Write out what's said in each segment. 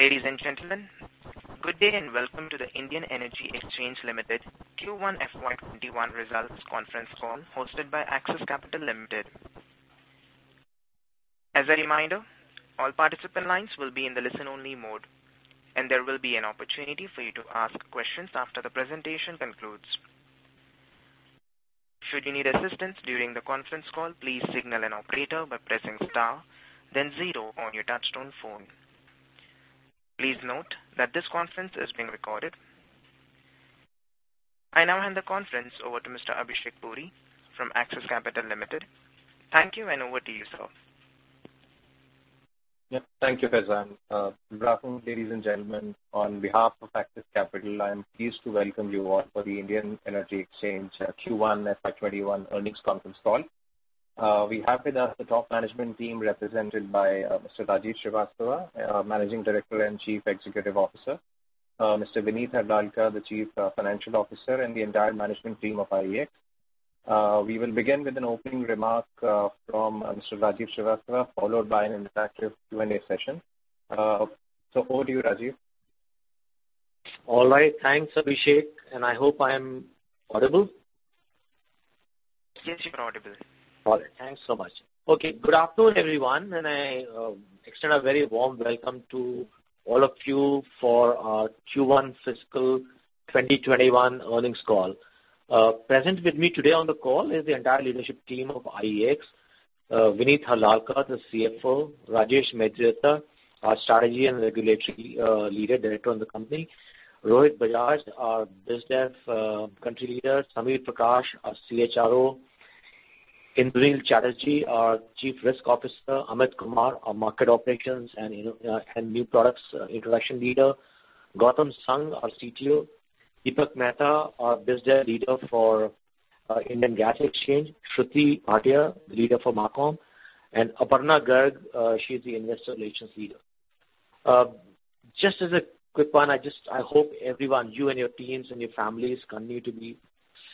Ladies and gentlemen, good day and welcome to the Indian Energy Exchange Limited Q1 FY21 results conference call hosted by Axis Capital Limited. As a reminder, all participant lines will be in the listen-only mode, and there will be an opportunity for you to ask questions after the presentation concludes. Should you need assistance during the conference call, please signal an operator by pressing star then zero on your touchtone phone. Please note that this conference is being recorded. I now hand the conference over to Mr. Abhishek Puri from Axis Capital Limited. Thank you, and over to you, sir. Yep. Thank you, Faizan. Good afternoon, ladies and gentlemen. On behalf of Axis Capital, I am pleased to welcome you all for the Indian Energy Exchange Q1 FY21 earnings conference call. We have with us the top management team represented by Mr. Rajiv Srivastava, Managing Director and Chief Executive Officer, Mr. Vineet Harlalka, the Chief Financial Officer, and the entire management team of IEX. We will begin with an opening remark from Mr. Rajiv Srivastava, followed by an interactive Q&A session. Over to you, Rajiv. All right. Thanks, Abhishek. I hope I am audible. Yes, you're audible. All right. Thanks so much. Okay. Good afternoon, everyone, and I extend a very warm welcome to all of you for our Q1 FY21 earnings call. Present with me today on the call is the entire leadership team of IEX, Vineet Harlalka, the CFO, Rajesh Mediratta, our Strategy and Regulatory Leader Director in the company, Rohit Bajaj, our Business Country Leader, Samir Prakash, our CHRO, Indranil Chatterjee, our Chief Risk Officer, Amit Kumar, our Market Operations and New Products Introduction Leader, Gautam Sangh, our CTO, Deepak Mehta, our Business Leader for Indian Gas Exchange, Shruti Bhatia, Leader for Marcom, and Aparna Garg, she's the Investor Relations Leader. Just as a quick one, I hope everyone, you and your teams and your families continue to be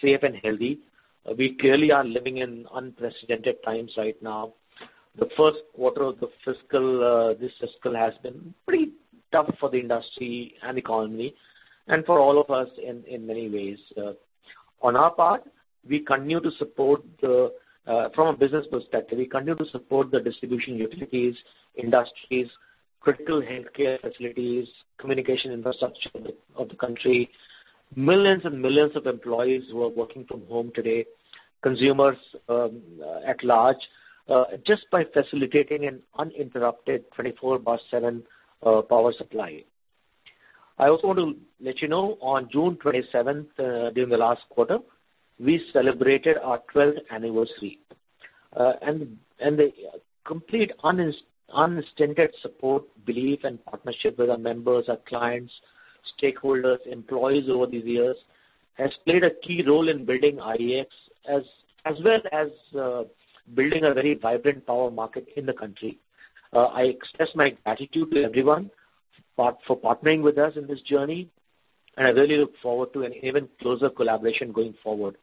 safe and healthy. We clearly are living in unprecedented times right now. The first quarter of this fiscal has been pretty tough for the industry and the economy and for all of us in many ways. On our part, from a business perspective, we continue to support the distribution utilities, industries, critical healthcare facilities, communication infrastructure of the country, millions and millions of employees who are working from home today, consumers at large, just by facilitating an uninterrupted 24 by seven power supply. I also want to let you know, on June 27th, during the last quarter, we celebrated our 12th anniversary. The complete unstinted support, belief, and partnership with our members, our clients, stakeholders, employees over these years has played a key role in building IEX, as well as building a very vibrant power market in the country. I express my gratitude to everyone for partnering with us in this journey. I really look forward to an even closer collaboration going forward.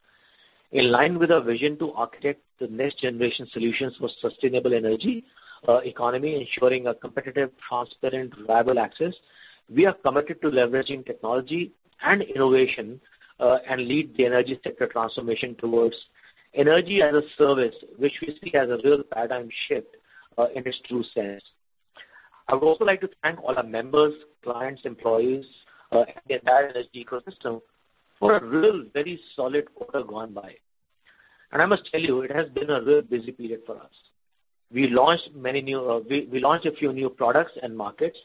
In line with our vision to architect the next generation solutions for sustainable energy economy, ensuring a competitive, transparent, reliable access, we are committed to leveraging technology and innovation, and lead the energy sector transformation towards Energy-as-a-Service, which we see as a real paradigm shift in its true sense. I would also like to thank all our members, clients, employees and the entire energy ecosystem for a real, very solid quarter gone by. I must tell you, it has been a real busy period for us. We launched a few new products and markets,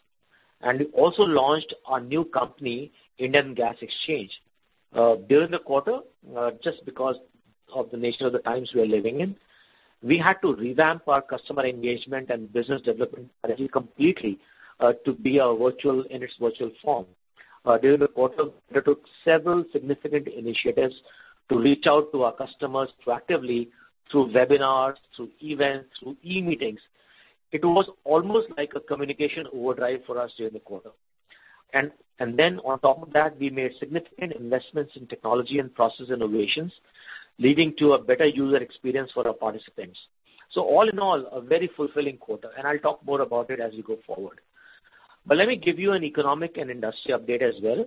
and we also launched our new company, Indian Gas Exchange. During the quarter, just because of the nature of the times we are living in, we had to revamp our customer engagement and business development strategy completely to be in its virtual form. During the quarter, we took several significant initiatives to reach out to our customers proactively through webinars, through events, through e-meetings. It was almost like a communication overdrive for us during the quarter. On top of that, we made significant investments in technology and process innovations, leading to a better user experience for our participants. All in all, a very fulfilling quarter, and I'll talk more about it as we go forward. Let me give you an economic and industry update as well.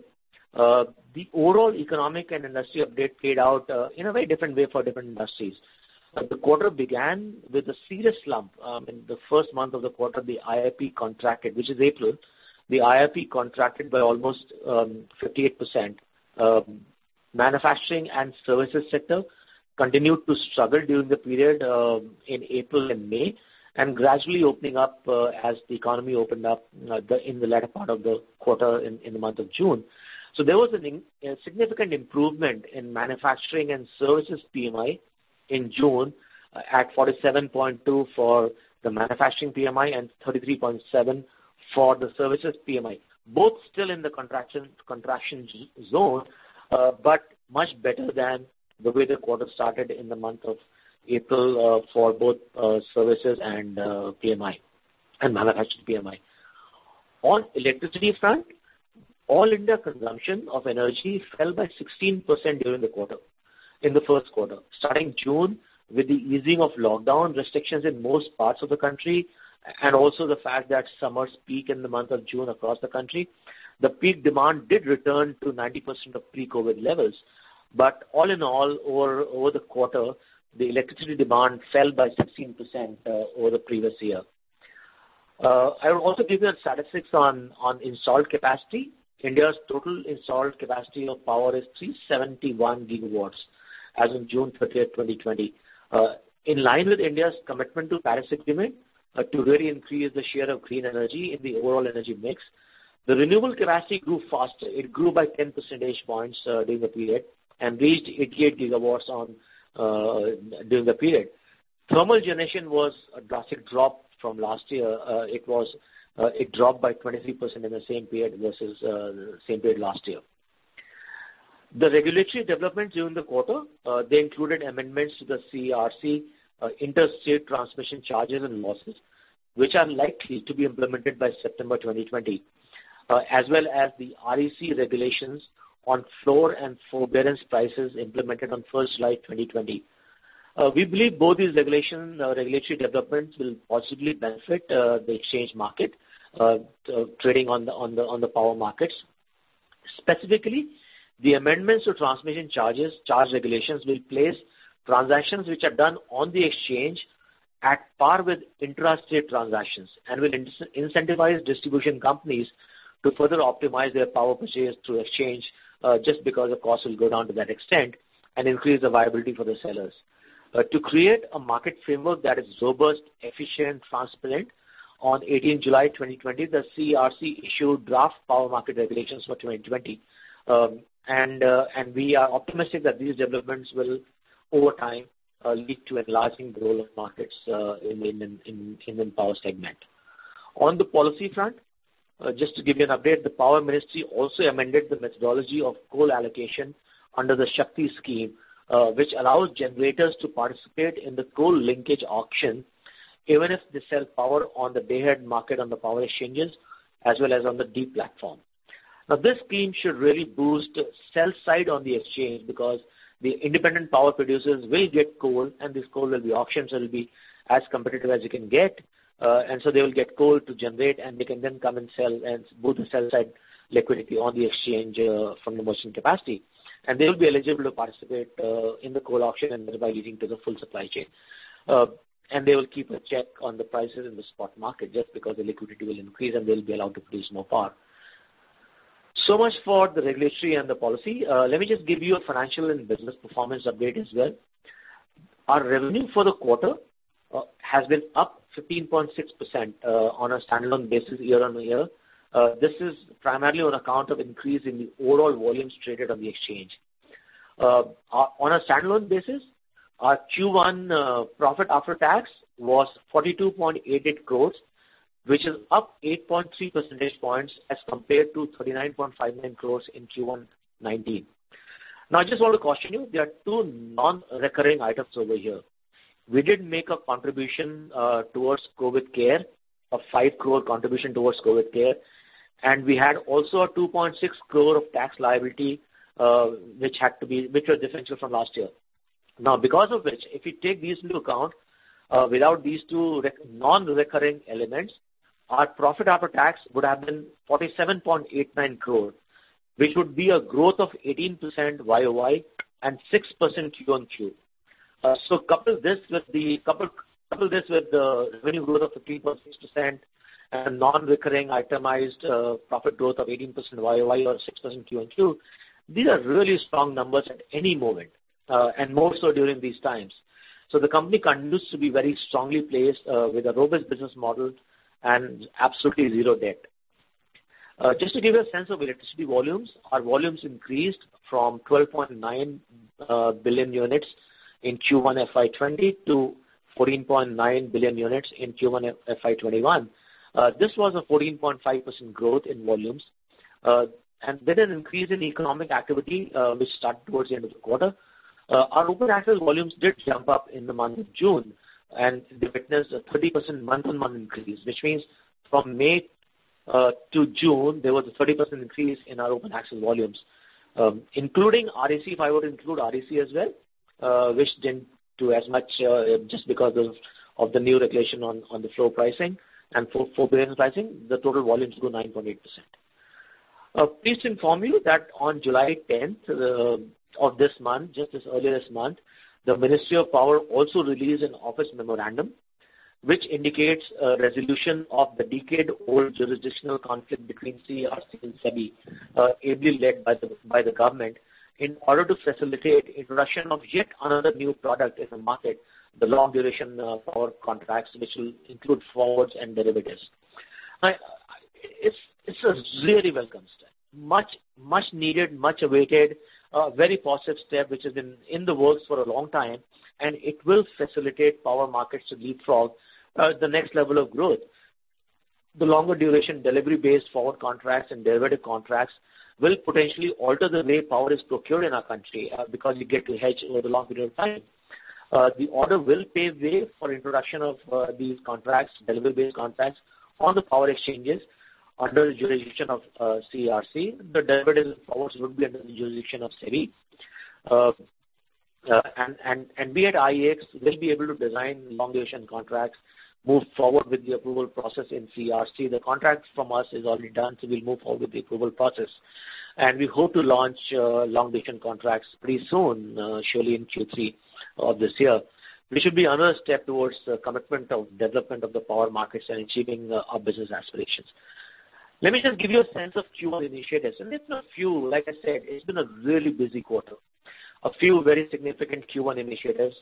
The overall economic and industry update played out in a very different way for different industries. The quarter began with a serious slump. In the first month of the quarter, the IIP contracted, which is April, the IIP contracted by almost 58%. Manufacturing and services sector continued to struggle during the period in April and May, gradually opening up as the economy opened up in the latter part of the quarter in the month of June. There was a significant improvement in manufacturing and services PMI in June at 47.2 for the manufacturing PMI and 33.7 for the services PMI. Both still in the contraction zone, much better than the way the quarter started in the month of April, for both services and manufacturing PMI. On electricity front, all India consumption of energy fell by 16% during the quarter, in the first quarter. Starting June, with the easing of lockdown restrictions in most parts of the country, and also the fact that summers peak in the month of June across the country, the peak demand did return to 90% of pre-COVID levels. All in all, over the quarter, the electricity demand fell by 16% over the previous year. I will also give you statistics on installed capacity. India's total installed capacity of power is 371 GW as of June 30th, 2020. In line with India's commitment to Paris Agreement to really increase the share of green energy in the overall energy mix, the renewable capacity grew faster. It grew by 10 percentage points during the period and reached 88 GW during the period. Thermal generation was a drastic drop from last year. It dropped by 23% in the same period versus same period last year. The regulatory developments during the quarter, they included amendments to the CERC Interstate Transmission Charges and Losses, which are likely to be implemented by September 2020, as well as the REC regulations on floor and forbearance prices implemented on 1st July 2020. We believe both these regulatory developments will possibly benefit the exchange market, trading on the power markets. Specifically, the amendments to transmission charge regulations will place transactions which are done on the exchange at par with intrastate transactions and will incentivize Distribution Companies to further optimize their power purchase through exchange, just because the cost will go down to that extent, and increase the viability for the sellers. To create a market framework that is robust, efficient, transparent, on 18 July 2020, the CERC issued draft Power Market Regulations for 2020. We are optimistic that these developments will, over time, lead to enlarging the role of markets in the Indian power segment. On the policy front, just to give you an update, the Ministry of Power also amended the methodology of coal allocation under the SHAKTI Scheme, which allows generators to participate in the coal linkage auction even if they sell power on the Day-Ahead Market on the power exchanges as well as on the DEEP platform. This scheme should really boost sell side on the exchange because the Independent Power Producers will get coal, and this coal at the auctions will be as competitive as you can get. They will get coal to generate, and they can then come and sell and boost the sell side liquidity on the exchange from the merchant capacity. They will be eligible to participate in the coal auction and thereby leading to the full supply chain. They will keep a check on the prices in the spot market, just because the liquidity will increase and they will be allowed to produce more power. Much for the regulatory and the policy. Let me just give you a financial and business performance update as well. Our revenue for the quarter has been up 15.6% on a standalone basis year-on-year. This is primarily on account of increase in the overall volumes traded on the exchange. On a standalone basis, our Q1 profit after tax was 42.88 crores, which is up 8.3 percentage points as compared to 39.59 crores in Q1 2019. I just want to caution you, there are two non-recurring items over here. We did make a contribution towards COVID care, an 5 crore contribution towards COVID care. We had also an 2.6 crore of tax liability which was differential from last year. Because of which, if you take these into account, without these two non-recurring elements, our profit after tax would have been 47.89 crore, which would be a growth of 18% YoY and 6% QoQ. Couple this with the revenue growth of 15.6% and non-recurring itemized profit growth of 18% YoY or 6% QoQ, these are really strong numbers at any moment, and more so during these times. The company continues to be very strongly placed with a robust business model and absolutely zero debt. Just to give you a sense of electricity volumes, our volumes increased from 12.9 billion units in Q1 FY 2020 to 14.9 billion units in Q1 FY 2021. This was a 14.5% growth in volumes. With an increase in economic activity, which started towards the end of the quarter, our open access volumes did jump up in the month of June, and we witnessed a 30% month-on-month increase, which means from May to June, there was a 30% increase in our open access volumes. Including REC, if I were to include REC as well, which didn't do as much just because of the new regulation on the floor pricing and forbearance pricing, the total volumes grew 9.8%. Please to inform you that on July 10th of this month, just earlier this month, the Ministry of Power also released an office memorandum, which indicates a resolution of the decade-old jurisdictional conflict between CERC and SEBI, ably led by the government, in order to facilitate introduction of yet another new product in the market, the long duration power contracts, which will include forwards and derivatives. It's a really welcome step. Much needed, much awaited, a very positive step which has been in the works for a long time, and it will facilitate power markets to leapfrog the next level of growth. The longer duration delivery-based forward contracts and derivative contracts will potentially alter the way power is procured in our country, because you get to hedge over the long period of time. The order will pave way for introduction of these delivery-based contracts on the power exchanges under the jurisdiction of CERC. The derivatives powers would be under the jurisdiction of SEBI. We at IEX will be able to design long-duration contracts, move forward with the approval process in CERC. The contracts from us is already done. We'll move forward with the approval process. We hope to launch long-duration contracts pretty soon, surely in Q3 of this year. This should be another step towards the commitment of development of the power markets and achieving our business aspirations. Let me just give you a sense of Q1 initiatives, and there's been a few. Like I said, it's been a really busy quarter. A few very significant Q1 initiatives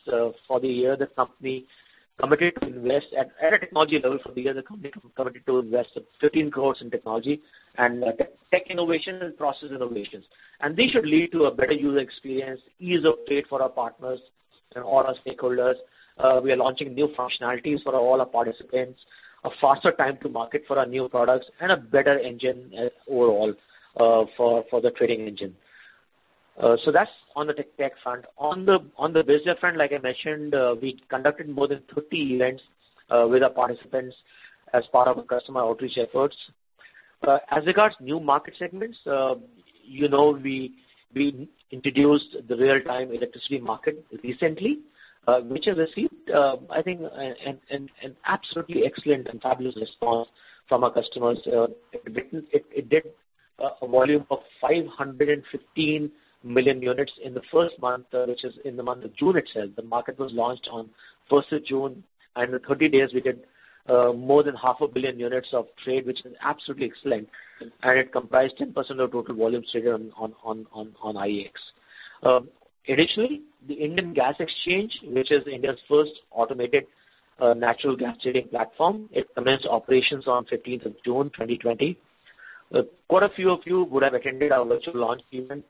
for the year. At a technology level, for the year, the company committed to invest 15 crores in technology and tech innovation and process innovations. This should lead to a better user experience, ease of trade for our partners and all our stakeholders. We are launching new functionalities for all our participants, a faster time to market for our new products, and a better engine overall for the trading engine. That's on the tech front. On the business front, like I mentioned, we conducted more than 30 events with our participants as part of our customer outreach efforts. As regards new market segments, we introduced the real-time electricity market recently, which has received, I think, an absolutely excellent and fabulous response from our customers. It did a volume of 515 million units in the first month, which is in the month of June itself. The market was launched on the 1st of June, and in 30 days, we did more than half a billion units of trade, which is absolutely excellent, and it comprised 10% of total volume traded on IEX. Additionally, the Indian Gas Exchange, which is India's first automated natural gas trading platform, it commenced operations on 15th of June 2020. Quite a few of you would have attended our virtual launch event,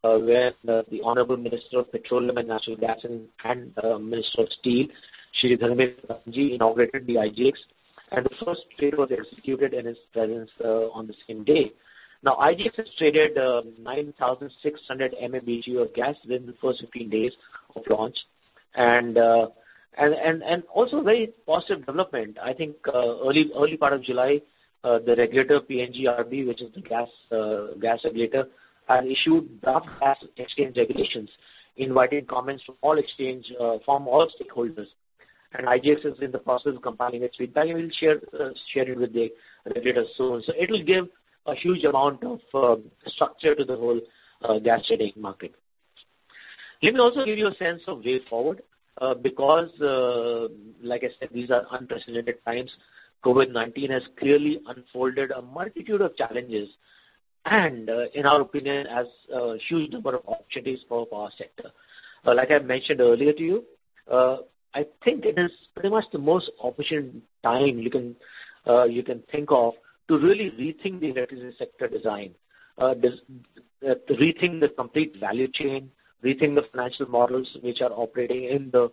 where the Honorable Minister of Petroleum and Natural Gas and Minister of Steel, Shri Dharmendra Pradhan Ji, inaugurated the IGX, and the first trade was executed in his presence on the same day. Now, IGX has traded 9,600 MMBtu of gas within the first 15 days of launch. A very positive development, I think early part of July, the regulator PNGRB, which is the gas regulator, has issued draft gas exchange regulations inviting comments from all stakeholders. IGX is in the process of compiling its feedback and will share it with the regulators soon. It will give a huge amount of structure to the whole gas trading market. Let me also give you a sense of way forward. Because like I said, these are unprecedented times. COVID-19 has clearly unfolded a multitude of challenges, and in our opinion, has a huge number of opportunities for the power sector. Like I mentioned earlier to you, I think it is pretty much the most opportune time you can think of to really rethink the electricity sector design. Rethink the complete value chain, rethink the financial models which are operating in the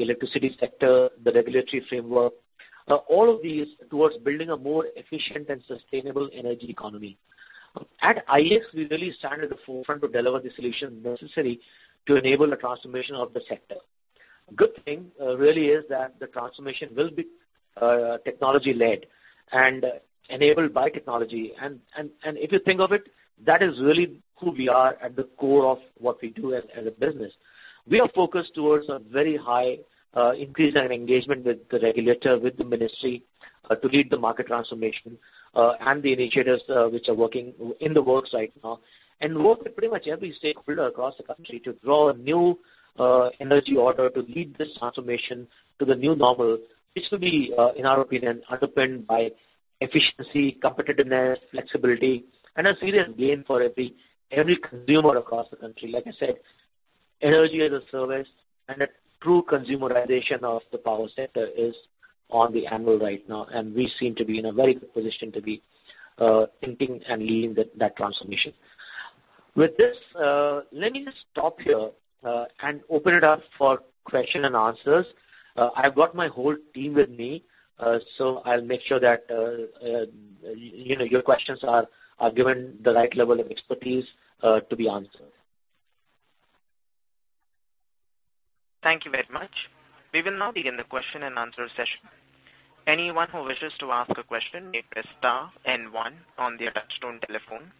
electricity sector, the regulatory framework, all of these towards building a more efficient and sustainable energy economy. At IEX, we really stand at the forefront to deliver the solution necessary to enable the transformation of the sector. Good thing really is that the transformation will be technology led and enabled by technology. If you think of it, that is really who we are at the core of what we do as a business. We are focused towards a very high increase in engagement with the regulator, with the ministry, to lead the market transformation and the initiatives which are working in the works right now. Work with pretty much every stakeholder across the country to draw a new energy order to lead this transformation to the new normal. This will be, in our opinion, underpinned by efficiency, competitiveness, flexibility, and a serious gain for every consumer across the country. Like I said, energy as a service and a true consumerization of the power sector is on the anvil right now, and we seem to be in a very good position to be thinking and leading that transformation. With this, let me just stop here and open it up for question and answers. I've got my whole team with me, so I'll make sure that your questions are given the right level of expertise to be answered. Thank you very much. We will now begin the question and answer session. Anyone who wishes to ask a question may press star and one on their touchtone telephone.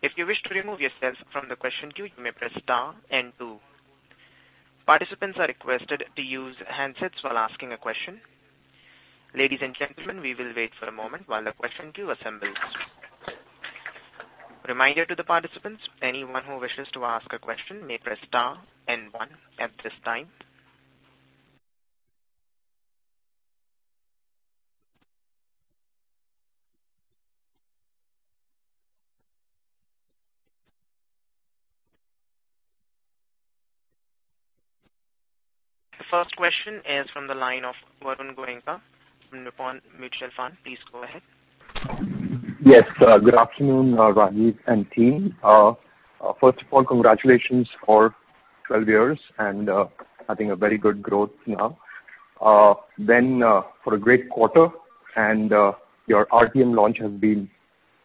If you wish to remove yourself from the question queue, you may press star and two. Participants are requested to use handsets while asking a question. Ladies and gentlemen, we will wait for a moment while the question queue assembles. Reminder to the participants, anyone who wishes to ask a question may press star and one at this time. The first question is from the line of Varun Goenka from Nippon India Mutual Fund. Please go ahead. Yes. Good afternoon, Rajiv and team. First of all, congratulations for 12 years and I think a very good growth now. For a great quarter, and your RTM launch has been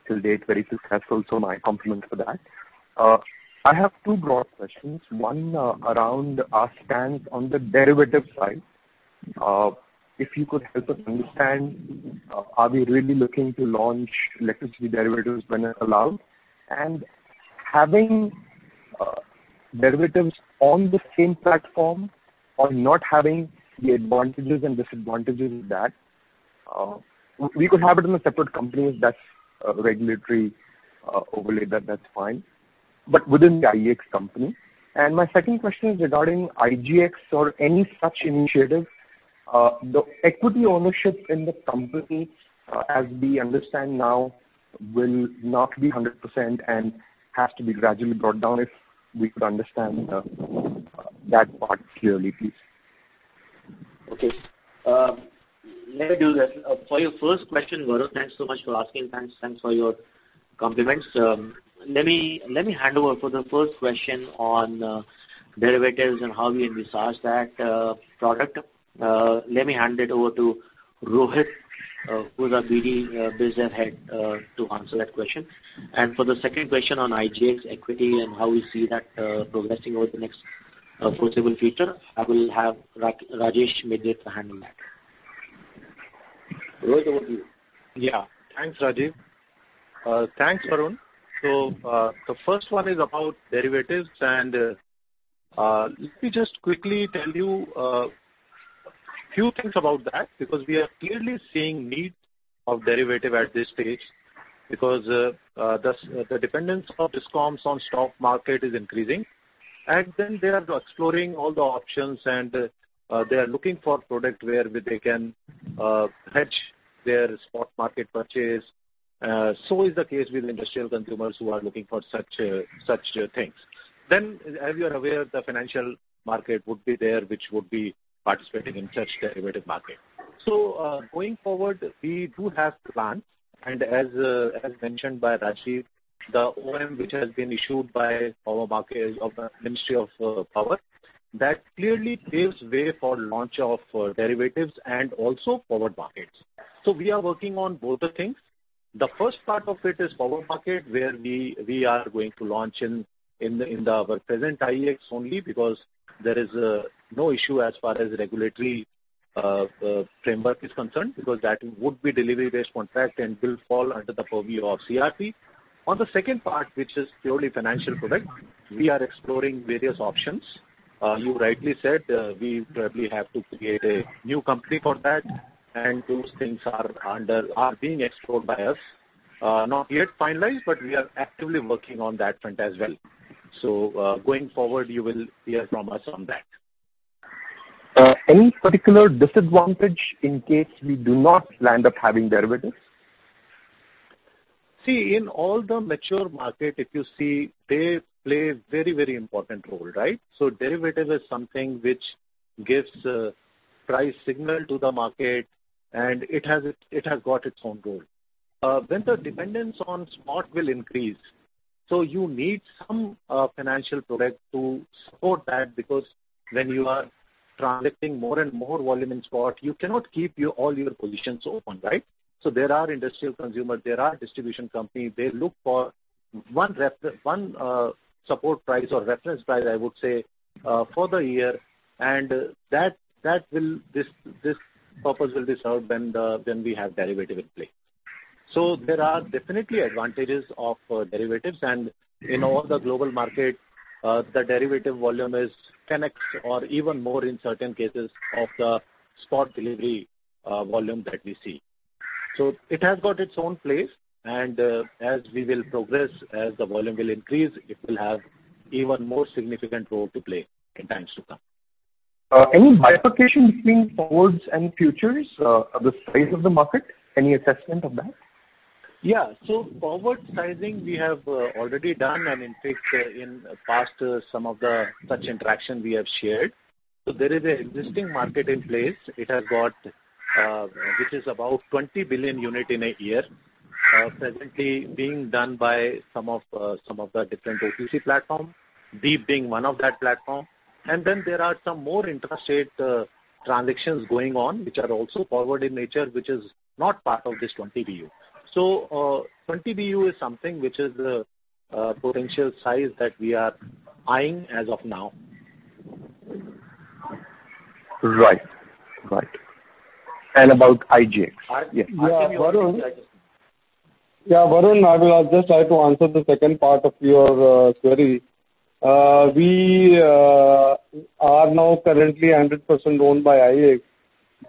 Till date, very successful. My compliments for that. I have two broad questions. One, around our stance on the derivative side. If you could help us understand, are we really looking to launch electricity derivatives when allowed? Having derivatives on the same platform or not having the advantages and disadvantages of that. We could have it in a separate company if that's a regulatory overlay, that's fine. Within the IEX company. My second question is regarding IGX or any such initiative. The equity ownership in the company, as we understand now, will not be 100% and has to be gradually brought down, if we could understand that part clearly, please. Okay. Let me do that. For your first question, Varun, thanks so much for asking. Thanks for your compliments. Let me hand over for the first question on derivatives and how we envisage that product. Let me hand it over to Rohit, who's our BD Business Head, to answer that question. For the second question on IGX equity and how we see that progressing over the next foreseeable future, I will have Rohit Bajaj to handle that. Rohit, over to you. Thanks, Rajiv. Thanks, Varun. The first one is about derivatives, and let me just quickly tell you a few things about that, because we are clearly seeing need of derivative at this stage, because the dependence of DISCOMs on spot market is increasing. They are exploring all the options, and they are looking for product whereby they can hedge their spot market purchase. Is the case with industrial consumers who are looking for such things. As you are aware, the financial market would be there, which would be participating in such derivative market. Going forward, we do have plans. As mentioned by Rajiv, the OM which has been issued by Power Market of the Ministry of Power, that clearly paves way for launch of derivatives and also forward markets. We are working on both the things. The first part of it is power market, where we are going to launch in our present IEX only because there is no issue as far as regulatory framework is concerned, because that would be delivery-based contract and will fall under the purview of CERC. On the second part, which is purely financial product, we are exploring various options. You rightly said, we probably have to create a new company for that, and those things are being explored by us. Not yet finalized, but we are actively working on that front as well. Going forward, you will hear from us on that. Any particular disadvantage in case we do not land up having derivatives? See, in all the mature market, if you see, they play a very important role, right? Derivative is something which gives a price signal to the market, and it has got its own role. When the dependence on spot will increase. You need some financial product to support that, because when you are transacting more and more volume in spot, you cannot keep all your positions open, right? There are industrial consumers, there are distribution company, they look for one support price or reference price, I would say, for the year, and this purpose will be served when we have derivative in place. There are definitely advantages of derivatives. In all the global market, the derivative volume is 10x or even more in certain cases of the spot delivery volume that we see. It has got its own place, and as we will progress, as the volume will increase, it will have even more significant role to play in times to come. Any bifurcation between forwards and futures of the size of the market? Any assessment of that? Yeah. Forward sizing we have already done. I mean, in fact, in the past, some of the such interaction we have shared. There is an existing market in place. Which is about 20 billion unit in a year, presently being done by some of the different OTC platform, DEEP being one of that platform. There are some more intrastate transactions going on, which are also forward in nature, which is not part of this 20 BU. 20 BU is something which is a potential size that we are eyeing as of now. Right. About IGX? Yeah. Varun, I will just try to answer the second part of your query. We are now currently 100% owned by IEX,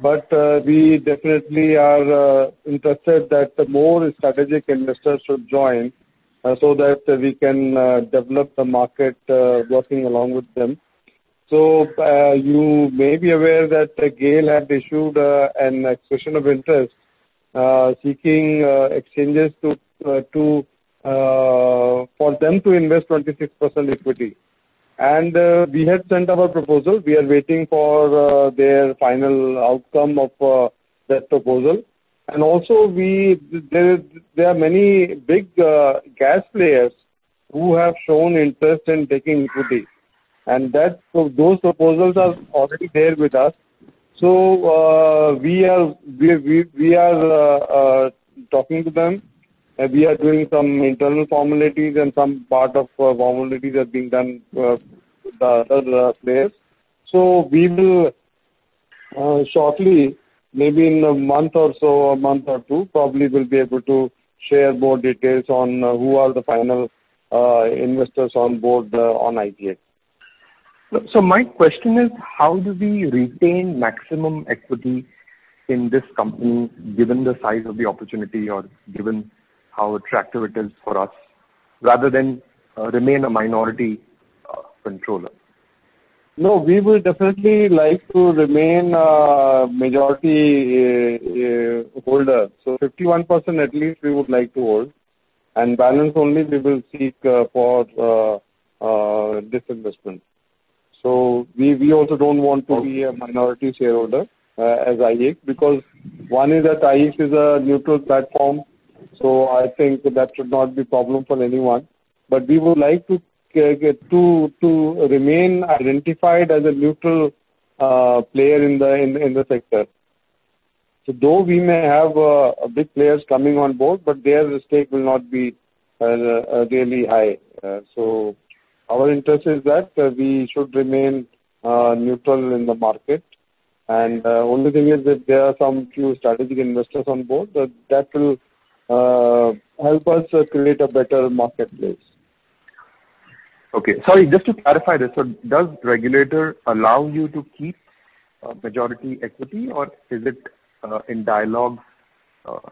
but we definitely are interested that more strategic investors should join so that we can develop the market working along with them. You may be aware that GAIL had issued an expression of interest seeking exchanges for them to invest 26% equity. We had sent our proposal. We are waiting for their final outcome of that proposal. Also, there are many big gas players who have shown interest in taking equity. Those proposals are already there with us. We are talking to them, and we are doing some internal formalities, and some part of formalities are being done with the other players. We will shortly, maybe in a month or so, a month or two, probably will be able to share more details on who are the final investors on board on IEX. My question is, how do we retain maximum equity in this company given the size of the opportunity or given how attractive it is for us, rather than remain a minority controller? We will definitely like to remain a majority holder. 51% at least we would like to hold, and balance only we will seek for this investment. We also don't want to be a minority shareholder as IEX, because one is that IEX is a neutral platform, so I think that should not be problem for anyone. We would like to remain identified as a neutral player in the sector. Though we may have big players coming on board, but their stake will not be really high. Our interest is that we should remain neutral in the market. Only thing is that there are some few strategic investors on board that will help us create a better marketplace. Okay. Sorry, just to clarify this, does regulator allow you to keep majority equity or is it in dialogue so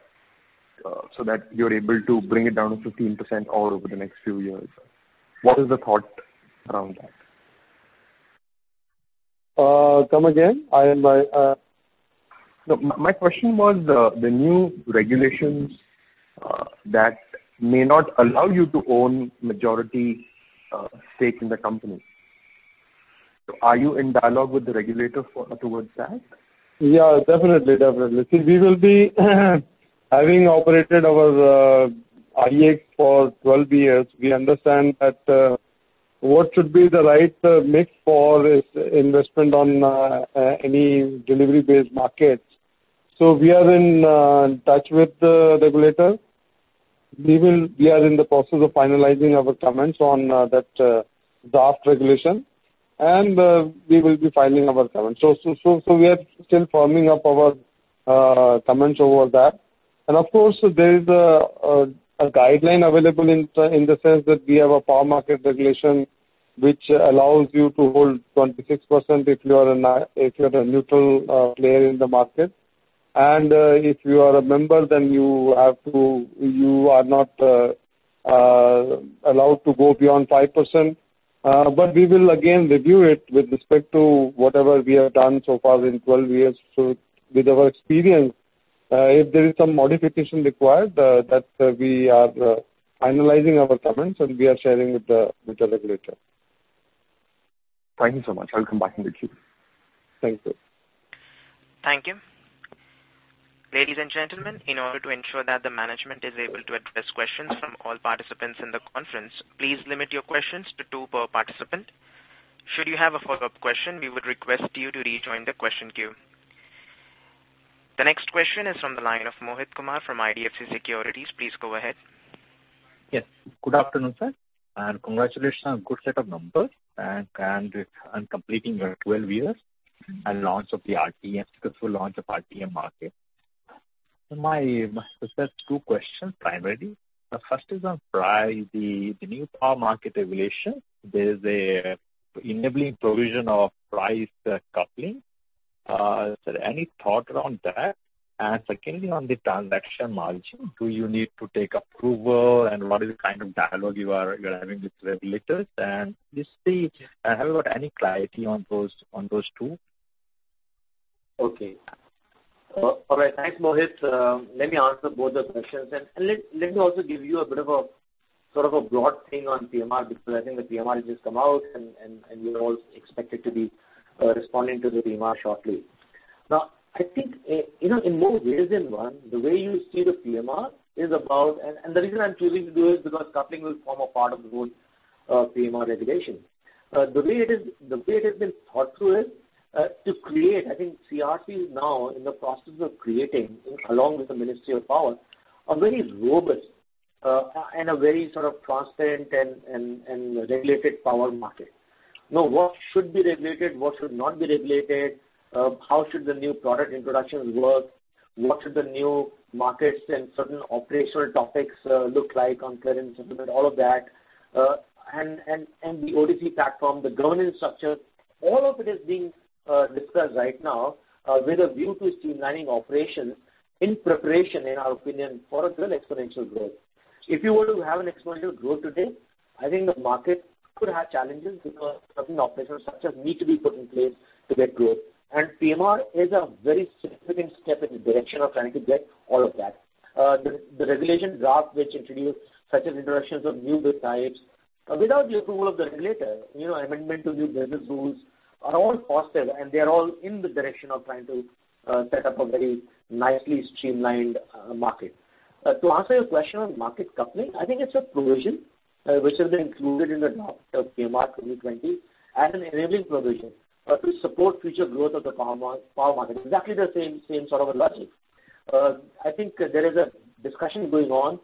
that you're able to bring it down to 15% over the next few years? What is the thought around that? Come again? My question was the new regulations that may not allow you to own majority stake in the company. Are you in dialogue with the regulator towards that? Yeah, definitely. See, having operated our IEX for 12 years, we understand what should be the right mix for investment on any delivery-based markets. We are in touch with the regulator. We are in the process of finalizing our comments on that draft regulation, and we will be filing our comments. We are still firming up our comments over that. Of course, there is a guideline available in the sense that we have a Power Market regulation which allows you to hold 26% if you are a neutral player in the market. If you are a member, then you are not allowed to go beyond 5%. We will again review it with respect to whatever we have done so far in 12 years with our experience. If there is some modification required, that we are finalizing our comments, and we are sharing with the regulator. Thank you so much. I will come back in the queue. Thank you. Thank you. Ladies and gentlemen, in order to ensure that the management is able to address questions from all participants in the conference, please limit your questions to two per participant. Should you have a follow-up question, we would request you to rejoin the question queue. The next question is from the line of Mohit Kumar from IDFC Securities. Please go ahead. Yes. Good afternoon, sir. Congratulations on good set of numbers and completing your 12 years and successful launch of RTM market. Sir, there's two questions primarily. The first is on the new Power Market Regulations. There's an enabling provision of price coupling. Sir, any thought around that? Secondly, on the transaction margin, do you need to take approval, and what is the kind of dialogue you are having with regulators? Just see, have you got any clarity on those two? Okay. All right, thanks, Mohit. Let me answer both the questions, and let me also give you a bit of a broad thing on PMR, because I think the PMR has just come out, and we all expect it to be responding to the PMR shortly. I think in more ways than one. The reason I'm choosing to do it is because coupling will form a part of the whole PMR regulation. The way it has been thought through is to create, I think CERC is now in the process of creating, along with the Ministry of Power, a very robust and a very transparent and regulated power market. What should be regulated, what should not be regulated, how should the new product introductions work, what should the new markets and certain operational topics look like on clearance and all of that, and the OTC platform, the governance structure, all of it is being discussed right now with a view to streamlining operations in preparation, in our opinion, for a good exponential growth. If you were to have an exponential growth today, I think the market could have challenges because certain operational structures need to be put in place to get growth. PMR is a very significant step in the direction of trying to get all of that. The regulation draft, which introduced certain introductions of new bid types without the approval of the regulator, amendment to the business rules are all positive, and they are all in the direction of trying to set up a very nicely streamlined market. To answer your question on market coupling. I think it's a provision which has been included in the draft of PMR 2020 as an enabling provision to support future growth of the Power Market. Exactly the same sort of a logic. I think there is a discussion going on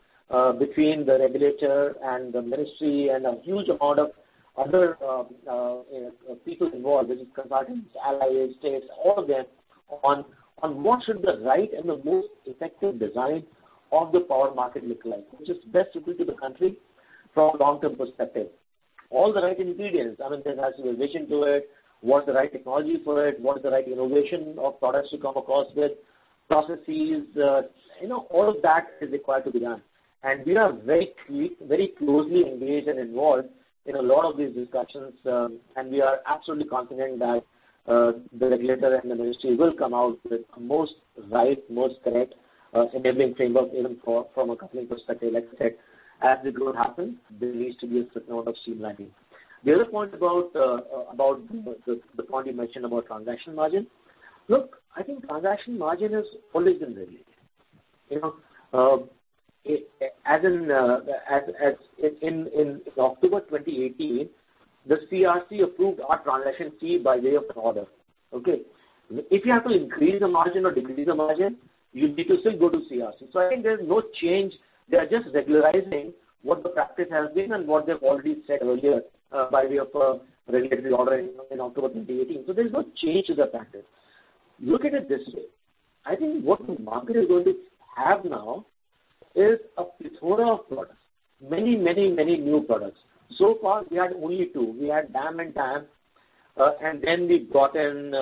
between the regulator and the ministry and a huge amount of other people involved, which is consultants, allies, states, all of them, on what should the right and the most effective design of the Power Market look like, which is best suited to the country from a long-term perspective. All the right ingredients. There has to be vision to it, what's the right technology for it, what is the right innovation of products to come across with, processes, all of that is required to be done. We are very closely engaged and involved in a lot of these discussions, we are absolutely confident that the regulator and the ministry will come out with most right, most correct enabling framework even from a company perspective, like I said, as the growth happens, there needs to be a certain amount of streamlining. The other point about the point you mentioned about transaction margin. Look, I think transaction margin is always unrelated. In October 2018, the CERC approved our transaction fee by way of order. Okay. If you have to increase the margin or decrease the margin, you need to still go to CERC. I think there's no change. They are just regularizing what the practice has been and what they've already said earlier, by way of a regulatory order in October 2018. There's no change to the practice. Look at it this way. I think what the market is going to have now is a plethora of products. Many, many, many new products. So far, we had only two. We had DAM and TAM, and then we brought in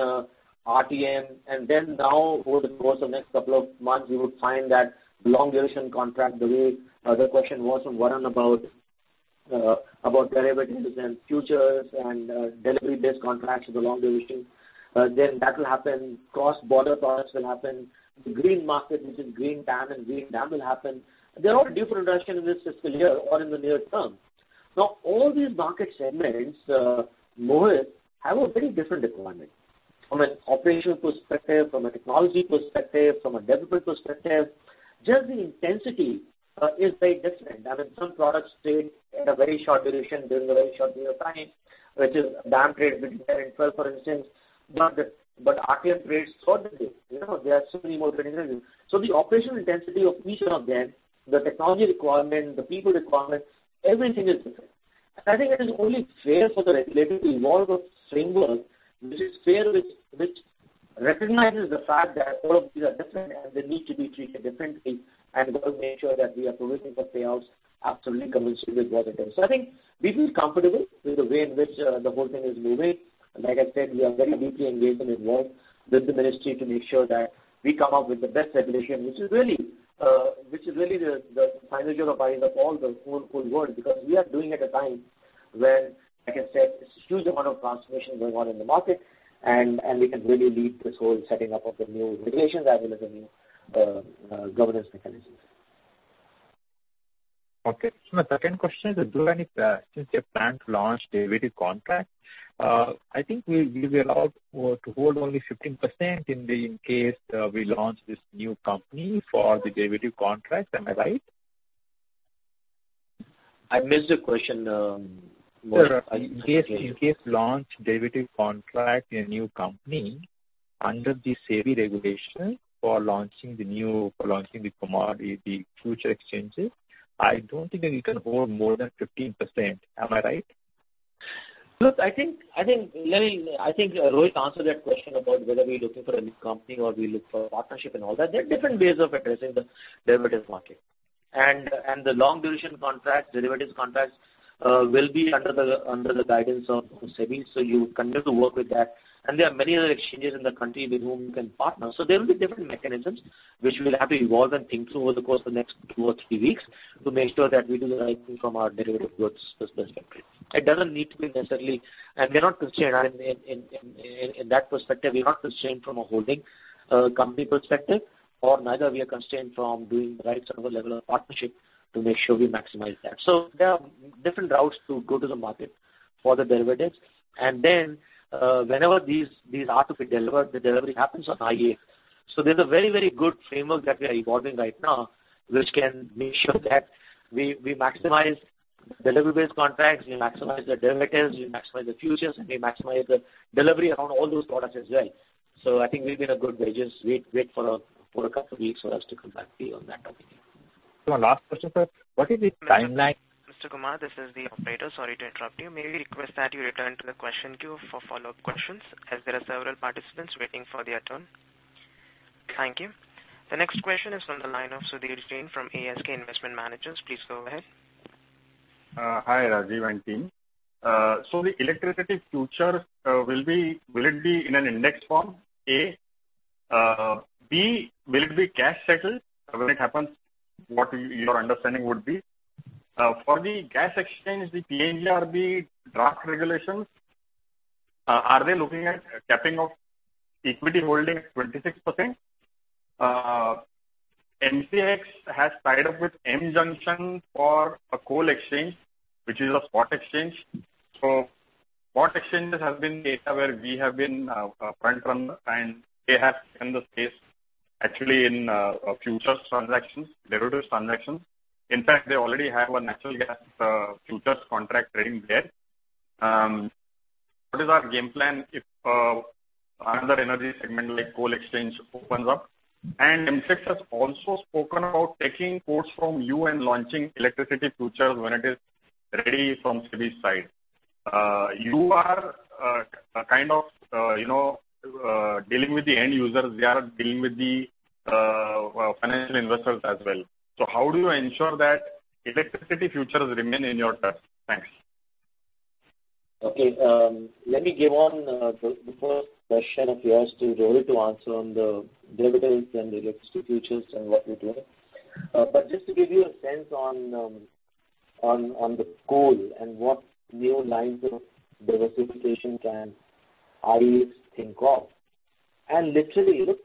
RTM, and then now over the course of next couple of months, we would find that long duration contract, the way the question was from Varun about derivatives and futures and delivery-based contracts with the long duration. That will happen, cross-border products will happen. The green market, which is Green TAM and Green DAM will happen. There are different reactions in this fiscal year or in the near term. All these market segments, Mohit, have a very different requirement from an operational perspective, from a technology perspective, from a development perspective. Just the intensity is very different. Some products trade at a very short duration during a very short period of time, which is DAM trade between 10 and 12, for instance. RTM trades throughout the day. There are so many more differences. The operational intensity of each one of them, the technology requirement, the people requirement, everything is different. I think it is only fair for the regulator to evolve a framework which is fair, which recognizes the fact that all of these are different and they need to be treated differently, and will make sure that we are provisioning for payouts absolutely commensurate with what it is. I think we feel comfortable with the way in which the whole thing is moving. Like I said, we are very deeply engaged and involved with the Ministry to make sure that we come up with the best regulation, which is really the of all the whole world, because we are doing at a time when, like I said, it's a huge amount of transformation going on in the market, and we can really lead this whole setting up of the new regulations as well as the new governance mechanisms. Okay. My second question is, since you plan to launch derivative contract, I think we will be allowed to hold only 15% in case we launch this new company for the derivative contract. Am I right? I missed the question. Sir, in case launch derivative contract a new company under the SEBI regulation for launching the commodity future exchanges, I don't think we can hold more than 15%. Am I right? Look, I think Rohit answered that question about whether we're looking for a new company or we look for partnership and all that. There are different ways of addressing the derivatives market. The long duration derivatives contracts will be under the guidance of SEBI, so you continue to work with that, and there are many other exchanges in the country with whom you can partner. There will be different mechanisms which we will have to evolve and think through over the course of the next two or three weeks to make sure that we do the right thing from our derivative goods perspective. It doesn't need to be and in that perspective, we're not constrained from a holding company perspective, or neither we are constrained from doing the right sort of a level of partnership to make sure we maximize that. There are different routes to go to the market for the derivatives. Whenever these are to be delivered, the delivery happens on IEX. There's a very, very good framework that we are evolving right now, which can make sure that we maximize delivery-based contracts, we maximize the derivatives, we maximize the futures, and we maximize the delivery around all those products as well. I think we'll be in a good stead. Wait for a couple weeks for us to come back to you on that topic. My last question, sir. What is the timeline? Mr. Kumar, this is the operator. Sorry to interrupt you. May we request that you return to the question queue for follow-up questions, as there are several participants waiting for their turn. Thank you. The next question is from the line of Sudhir Jain from ASK Investment Managers. Please go ahead. Hi, Rajiv and team. The electricity future, will it be in an index form? A. B, will it be cash settled when it happens? What your understanding would be. For the gas exchange, the PNGRB draft regulations, are they looking at capping of equity holding at 26%? MCX has tied up with mjunction for a coal exchange, which is a spot exchange. What exchanges have been data where we have been frontrunner and they have taken the space actually in futures transactions, derivatives transactions. In fact, they already have a natural gas futures contract trading there. What is our game plan if another energy segment like coal exchange opens up? NCDEX has also spoken about taking quotes from you and launching electricity futures when it is ready from SEBI's side. You are dealing with the end users, we are dealing with the financial investors as well. How do you ensure that electricity futures remain in your turf? Thanks. Okay. Let me give on the first question of yours to Rohit to answer on the derivatives and electricity futures and what we're doing. Just to give you a sense on the coal and what new lines of diversification can IEX think of. Literally, look,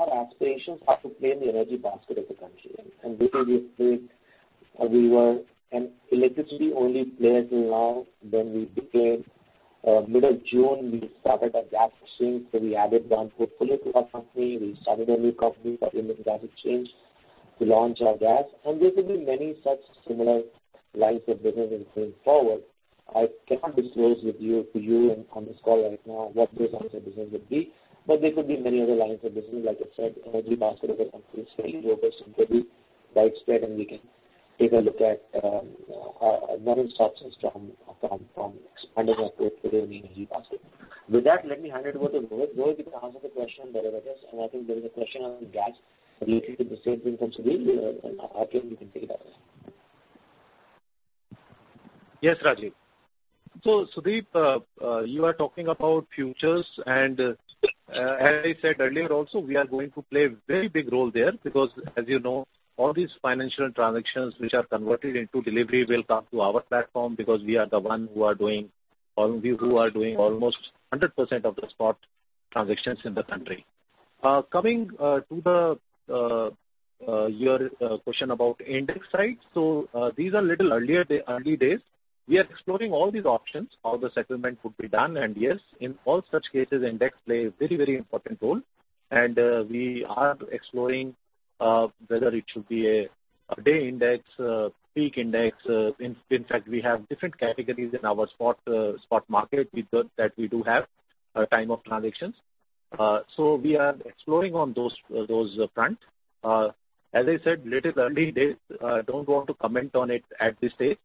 our aspirations are to play in the energy basket of the country. Before this space, we were an electricity-only player till now, then we became, middle June, we started a gas exchange, so we added one portfolio company. We started a new company for Indian Energy Exchange to launch our gas. There could be many such similar lines of business in coming forward. I cannot disclose to you on this call right now what those lines of business would be, but there could be many other lines of business. Like I said, energy basket of the country is very robust and could be widespread. We can take a look at various options from expanding our portfolio in energy basket. With that, let me hand it over to Rohit. Rohit will answer the question on derivatives. I think there is a question on gas related to the same thing from Sudhir. After him, you can take it up. Yes, Rajiv. Sudhir, you are talking about futures, and as I said earlier also, we are going to play a very big role there because as you know, all these financial transactions which are converted into delivery will come to our platform because we are the ones who are doing almost 100% of the spot transactions in the country. Coming to your question about index side. These are early days. We are exploring all these options, how the settlement could be done, and yes, in all such cases, index plays a very important role. We are exploring whether it should be a day index, peak index. In fact, we have different categories in our spot market that we do have time of transactions. We are exploring on those fronts. As I said, little early days, don't want to comment on it at this stage.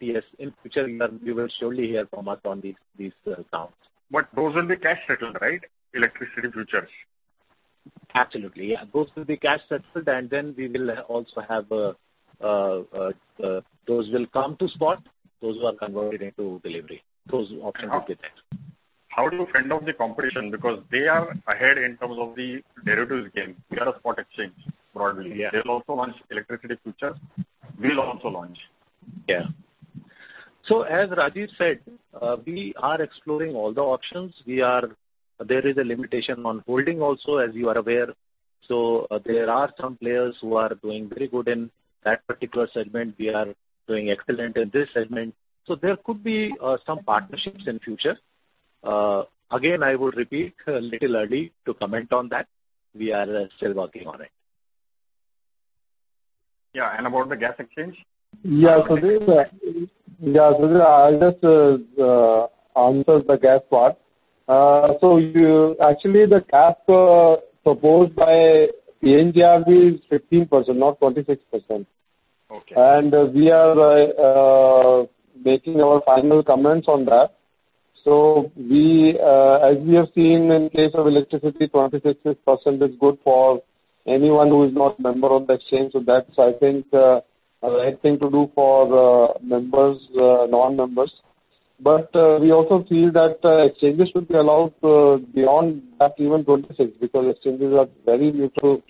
Yes, in future, you will surely hear from us on these accounts. Those will be cash settled, right? Electricity futures. Absolutely, yeah. Those will be cash settled, and then those will come to spot, those who are converted into delivery. Those options will be there. How do you fend off the competition? They are ahead in terms of the derivatives game. We are a spot exchange, broadly. Yeah. They'll also launch electricity futures, we'll also launch. Yeah. As Rajiv said, we are exploring all the options. There is a limitation on holding also, as you are aware. There are some players who are doing very good in that particular segment. We are doing excellent in this segment. There could be some partnerships in future. Again, I would repeat, little early to comment on that. We are still working on it. Yeah, about the Gas Exchange? Yeah, Sudhir, I'll just answer the gas part. Actually, the cap proposed by PNGRB is 15%, not 26%. Okay. We are making our final comments on that. As we have seen in case of electricity, 26% is good for anyone who is not a member of the exchange. That's, I think, a right thing to do for non-members. We also feel that exchanges should be allowed beyond that even 26%, because exchanges are very neutral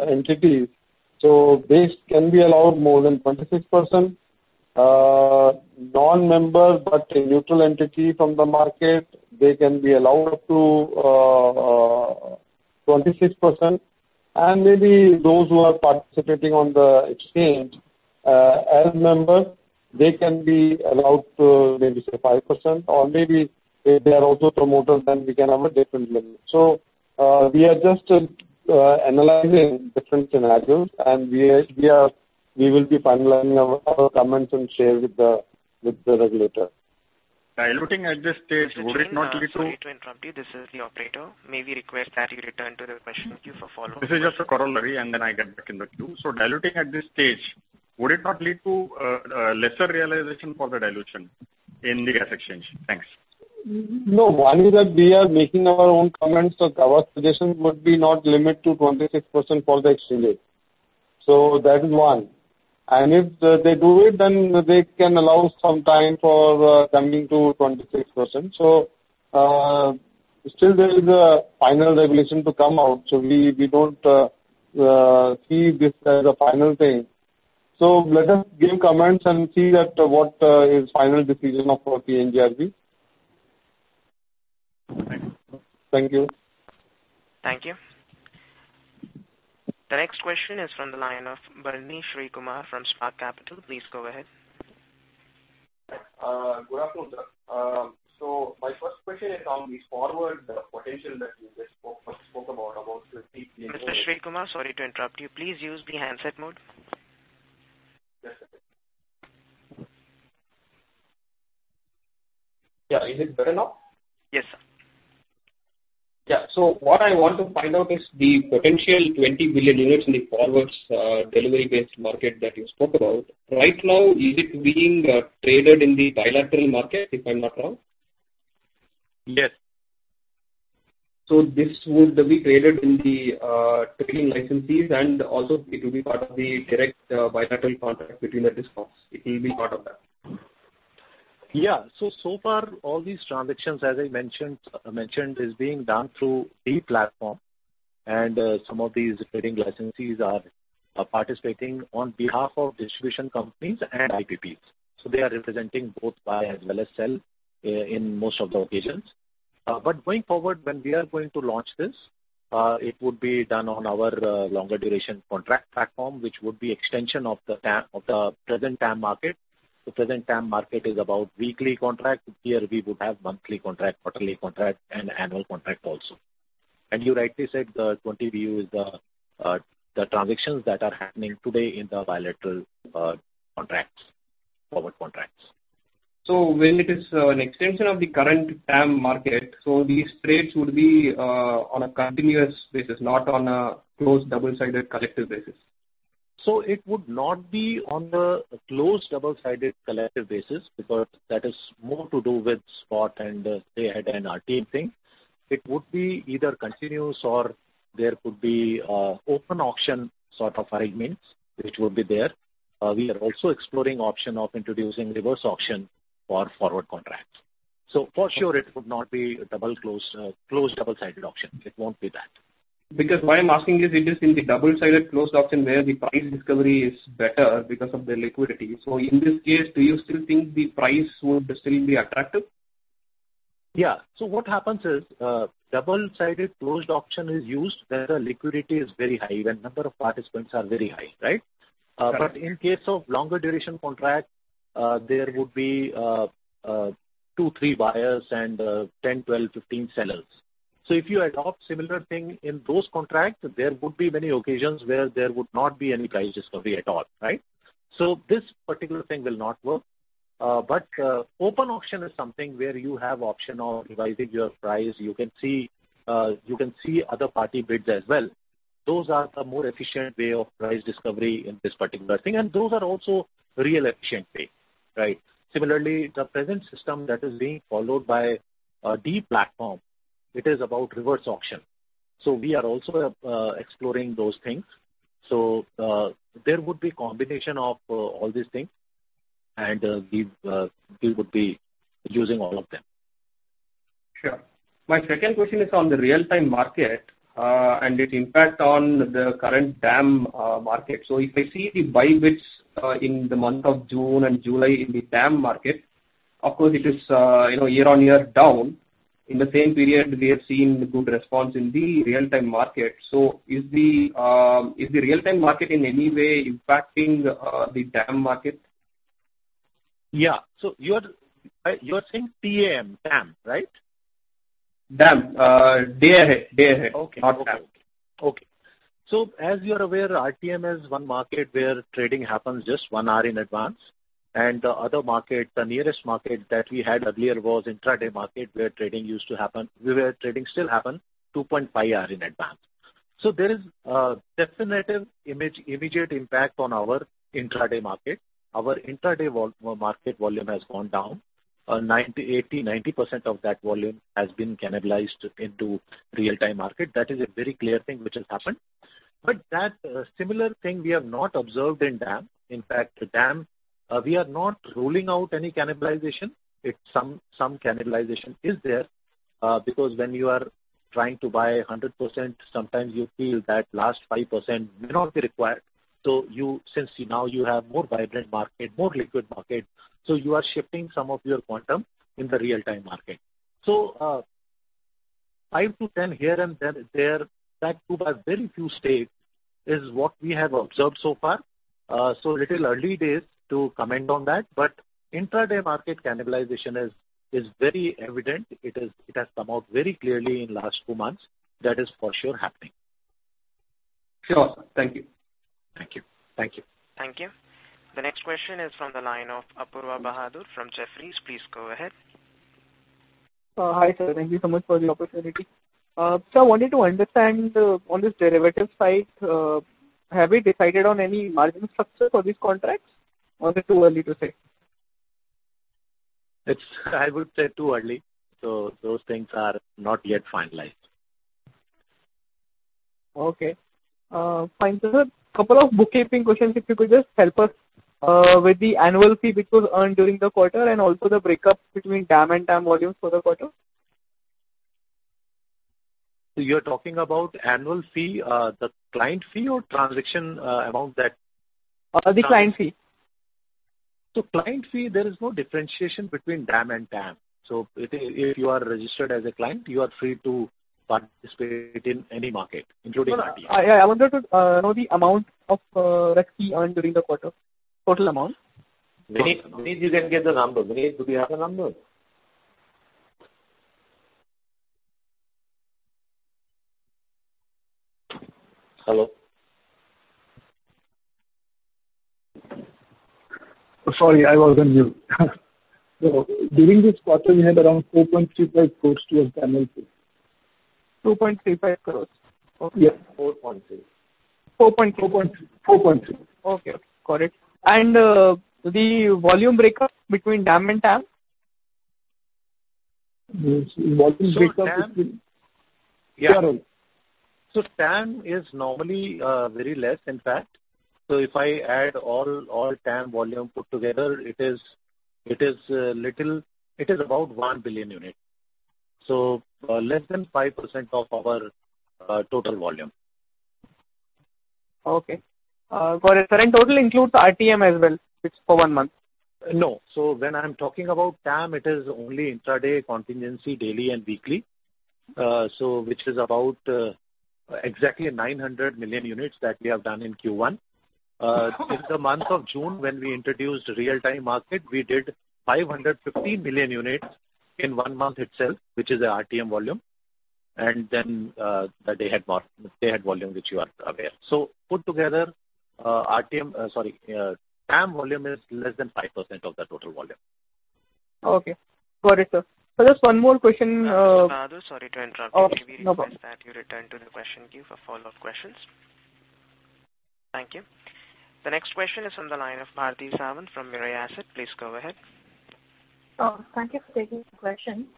entities. This can be allowed more than 26%. Non-member, but a neutral entity from the market, they can be allowed up to 26%. Maybe those who are participating on the exchange as members, they can be allowed maybe, say, 5%, or maybe if they are also promoters, we can have a different limit. We are just analyzing different scenarios, and we will be finalizing our comments and share with the regulator. Diluting at this stage, would it not lead to? Mr. Sudhir, sorry to interrupt you. This is the operator. May we request that you return to the question queue for follow-up questions? This is just a corollary, then I get back in the queue. Diluting at this stage, would it not lead to lesser realization for the dilution in the gas exchange? Thanks. No. One is that we are making our own comments, so our suggestion would be not limit to 26% for the exchange. That is one. If they do it, then they can allow some time for coming to 26%. Still there is a final regulation to come out. We don't see this as a final thing. Let us give comments and see what is final decision of PNGRB. Thank you. Thank you. The next question is from the line of Balaji Srikumar from Spark Capital. Please go ahead. Good afternoon, sir. My first question is on the forward potential that you just first spoke about. Mr. Srikumar, sorry to interrupt you. Please use the handset mode. Yes, sir. Yeah, is it better now? Yes, sir. Yeah. What I want to find out is the potential 20 billion units in the forwards delivery-based market that you spoke about. Right now, is it being traded in the bilateral market, if I'm not wrong? Yes. This would be traded in the trading licensees, and also it will be part of the direct bilateral contract between the DISCOMs. It will be part of that. Yeah. So far, all these transactions, as I mentioned, is being done through the platform. Some of these trading licensees are participating on behalf of distribution companies and IPPs. They are representing both buy as well as sell in most of the occasions. Going forward, when we are going to launch this, it would be done on our longer duration contract platform, which would be extension of the present TAM market. The present TAM market is about weekly contract. Here we would have monthly contract, quarterly contract, and annual contract also. You rightly said, the 20 BU is the transactions that are happening today in the bilateral contracts, forward contracts. When it is an extension of the current TAM market, these trades would be on a continuous basis, not on a closed double-sided collective basis. It would not be on the closed double-sided collective basis because that is more to do with spot and day-ahead and RTM thing. It would be either continuous or there could be open auction sort of arrangements which would be there. We are also exploring option of introducing reverse auction for forward contracts. For sure it would not be closed double-sided auction. It won't be that. Because why I'm asking is, it is in the double-sided closed auction where the price discovery is better because of the liquidity. In this case, do you still think the price would still be attractive? Yeah. What happens is, double-sided closed auction is used where the liquidity is very high, when number of participants are very high, right? Correct. In case of longer duration contract, there would be two, three buyers and 10, 12, 15 sellers. If you adopt similar thing in those contracts, there would be many occasions where there would not be any price discovery at all, right? This particular thing will not work. Open auction is something where you have option of revising your price. You can see other party bids as well. Those are a more efficient way of price discovery in this particular thing, and those are also real efficient way, right? Similarly, the present system that is being followed by the platform, it is about reverse auction. We are also exploring those things. There would be combination of all these things, and we would be using all of them. Sure. My second question is on the real-time market, and its impact on the current DAM market. If I see the buy bids in the month of June and July in the DAM market, of course it is year-over-year down. In the same period, we have seen good response in the real-time market. Is the real-time market in any way impacting the DAM market? Yeah. You're saying TAM, right? DAM. D-A. Not TAM. As you are aware, RTM is one market where trading happens just one hour in advance, and the other market, the nearest market that we had earlier was intraday market, where trading still happen 2.5 hours in advance. There is a definitive immediate impact on our intraday market. Our intraday market volume has gone down. 80%, 90% of that volume has been cannibalized into real-time market. That is a very clear thing which has happened. That similar thing we have not observed in DAM. In fact, the DAM, we are not ruling out any cannibalization. Some cannibalization is there, because when you are trying to buy a 100%, sometimes you feel that last 5% may not be required. Since now you have more vibrant market, more liquid market, so you are shifting some of your quantum in the real-time market. Five to 10 here and there, that too by very few states, is what we have observed so far. It is early days to comment on that, but intraday market cannibalization is very evident. It has come out very clearly in last two months. That is for sure happening. Sure. Thank you. Thank you. Thank you. The next question is from the line of Apoorva Bahadur from Jefferies. Please go ahead. Hi, sir. Thank you so much for the opportunity. Sir, wanted to understand on this derivative side, have we decided on any margin structure for these contracts, or is it too early to say? I would say too early. Those things are not yet finalized. Okay. Fine, sir. Couple of bookkeeping questions, if you could just help us with the annual fee which was earned during the quarter, and also the breakups between DAM and TAM volumes for the quarter? You're talking about annual fee, the client fee or transaction amount? The client fee. Client fee, there is no differentiation between DAM and TAM. If you are registered as a client, you are free to participate in any market, including RTM. I wanted to know the amount of REC fee earned during the quarter, total amount. Vineet, you can get the number. Vineet, do we have the number? Hello? Sorry, I was on mute. During this quarter, we had around 4.35 crores to our channel fee. 2.35 crores? Okay. Yes, 4.3. 4.3. 4.3. Okay, got it. The volume breakup between DAM and TAM? TAM is normally very less, in fact. If I add all TAM volume put together, it is about 1 billion units. Less than 5% of our total volume. Okay. For reference, total includes RTM as well, which is for one month. No. When I'm talking about TAM, it is only intraday contingency, daily and weekly. Which is about exactly 900 million units that we have done in Q1. In the month of June, when we introduced real-time market, we did 550 million units in one month itself, which is a RTM volume. Then the day ahead volume, which you are aware. Put together, TAM volume is less than 5% of the total volume. Okay. Got it, sir. Sir, just one more question. Bahadur, sorry to interrupt you. No problem. Can we request that you return to the question queue for follow-up questions? Thank you. The next question is from the line of Bharti Sawant from Mirae Asset. Please go ahead. Thank you for taking the question.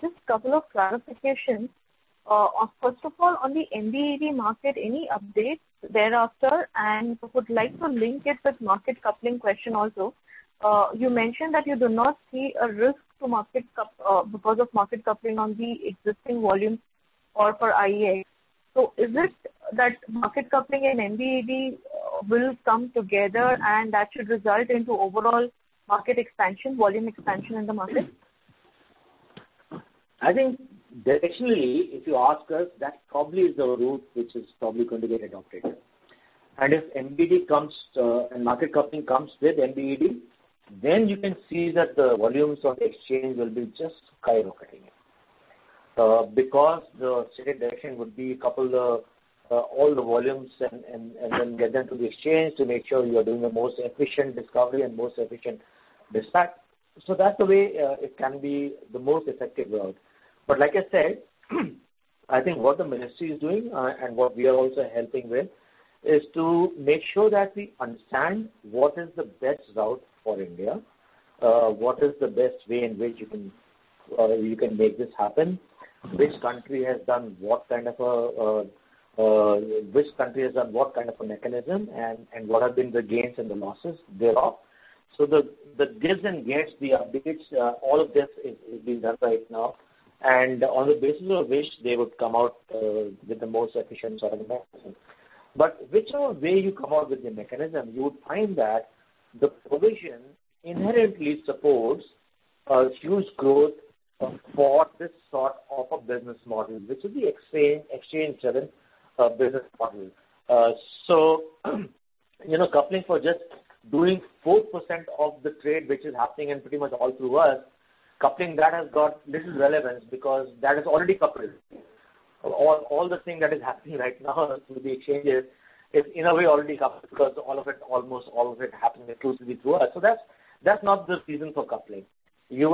Just couple of clarifications. First of all, on the MBED market, any updates thereafter? Would like to link it with market coupling question also. You mentioned that you do not see a risk because of market coupling on the existing volumes or for IEX. Is it that market coupling and MBED will come together and that should result into overall market expansion, volume expansion in the market? I think directionally, if you ask us, that probably is the route which is probably going to get adopted. If market coupling comes with MBED, then you can see that the volumes of exchange will be just skyrocketing. The stated direction would be couple all the volumes and then get them to the exchange to make sure you are doing the most efficient discovery and most efficient dispatch. That's the way it can be the most effective route. Like I said, I think what the ministry is doing, and what we are also helping with, is to make sure that we understand what is the best route for India, what is the best way in which you can make this happen, which country has done what kind of a mechanism, and what have been the gains and the losses thereof. The gives and gets, the updates, all of this is being done right now, and on the basis of which they would come out with the most efficient sort of mechanism. Whichever way you come out with the mechanism, you would find that the provision inherently supports a huge growth for this sort of a business model, which will be exchange-driven business model. Coupling for just doing 4% of the trade, which is happening in pretty much all through us, coupling that has got little relevance because that is already coupled. All the thing that is happening right now through the exchanges is in a way already coupled because almost all of it happening through us. That's not the reason for coupling. You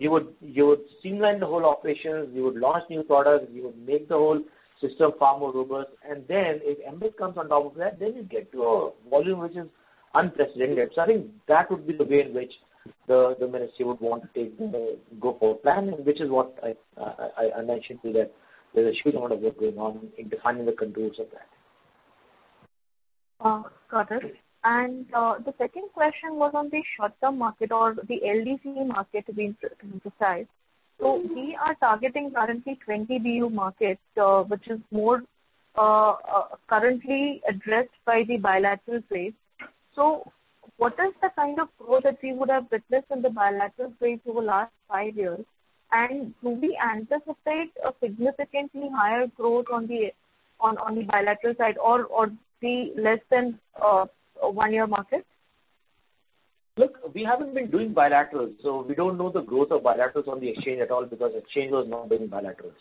would streamline the whole operations, you would launch new products, you would make the whole system far more robust, and then if MBED comes on top of that, then you get to a volume which is unprecedented. I think that would be the way in which the ministry would want to go forward plan, which is what I mentioned to that there's a huge amount of work going on in defining the contours of that. Got it. The second question was on the short-term market or the LDC market we emphasized. We are targeting currently 20 BU markets, which is more currently addressed by the bilateral space. What is the kind of growth that we would have witnessed in the bilateral space over the last five years? Do we anticipate a significantly higher growth on the bilateral side or see less than a one-year market? Look, we haven't been doing bilaterals. We don't know the growth of bilaterals on the Exchange at all because Exchange was not doing bilaterals.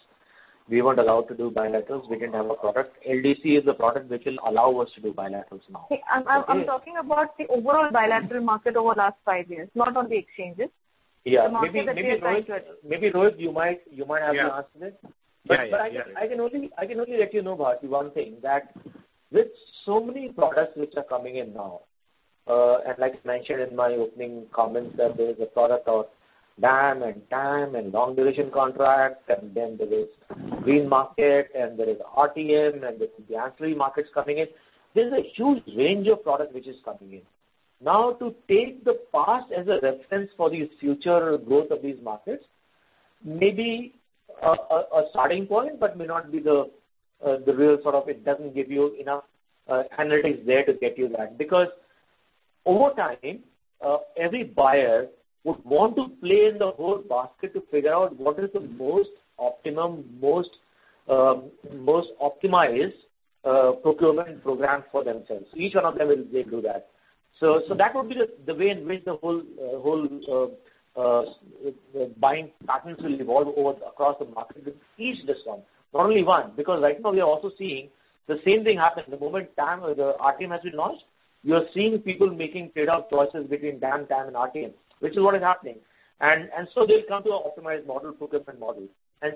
We weren't allowed to do bilaterals. We didn't have a product. LDC is a product which will allow us to do bilaterals now. I'm talking about the overall bilateral market over the last five years, not on the exchanges. Yeah. The market that we are trying to address. Maybe Rohit, you might have an answer to this. Yeah. I can only let you know, Bharti, one thing, that with so many products which are coming in now, and like I mentioned in my opening comments that there is a product of DAM and TAM and long duration contracts, and then there is green market and there is RTM and there could be ancillary markets coming in. There's a huge range of product which is coming in. To take the past as a reference for the future growth of these markets Maybe a starting point, but may not be the real sort of, it doesn't give you enough analytics there to get you that, because over time, every buyer would want to play in the whole basket to figure out what is the most optimum, most optimized procurement program for themselves. Each one of them will do that. That would be the way in which the whole buying patterns will evolve across the market with each of the some, not only one, because right now we are also seeing the same thing happen the moment DAM or the RTM has been launched, we are seeing people making trade-off choices between DAM, TAM and RTM, which is what is happening. They'll come to an optimized model, procurement model.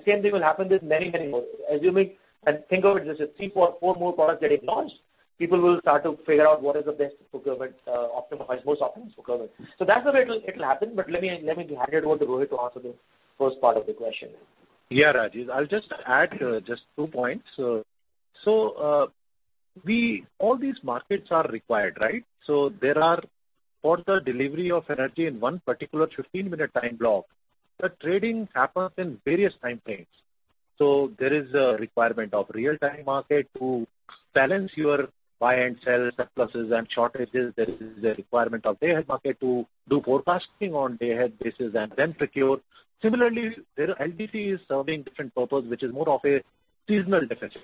Same thing will happen with many, many more. Think of it, there's three, four more products getting launched. People will start to figure out what is the best procurement optimized, most optimum procurement. That's the way it'll happen. Let me hand it over to Rohit to answer the first part of the question. Rajesh, I'll just add just two points. All these markets are required, right? There are, for the delivery of energy in one particular 15-minute time block, the trading happens in various time frames. There is a requirement of Real-Time Market to balance your buy and sell surpluses and shortages. There is a requirement of Day-Ahead Market to do forecasting on day-ahead basis and then procure. Similarly, LDC is serving different purpose, which is more of a seasonal deficit.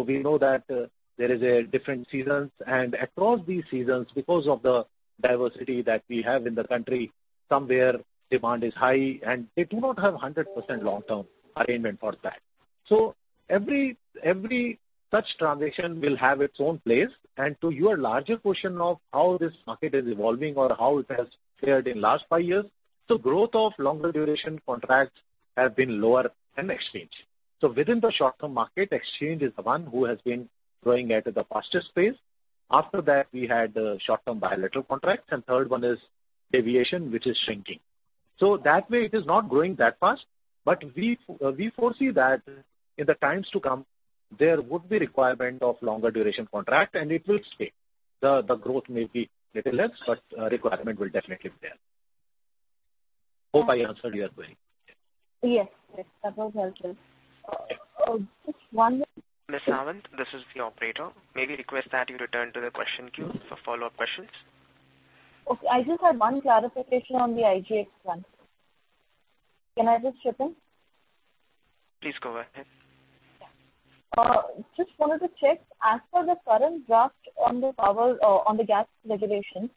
We know that there is different seasons and across these seasons, because of the diversity that we have in the country, somewhere demand is high and they do not have 100% long-term arrangement for that. Every such transaction will have its own place. To your larger question of how this market is evolving or how it has fared in last five years, so growth of longer-duration contracts have been lower than exchange. Within the short-term market, exchange is the one who has been growing at the fastest pace. After that, we had the short-term bilateral contracts, and third one is deviation, which is shrinking. That way it is not growing that fast, but we foresee that in the times to come, there would be requirement of longer-duration contract and it will stay. The growth may be little less, but requirement will definitely be there. Hope I answered your query. Yes. That was helpful. Miss Sawant, this is the operator. May we request that you return to the question queue for follow-up questions? Okay. I just had one clarification on the IGX one. Can I just chip in? Please go ahead. Just wanted to check, as per the current draft on the gas regulation,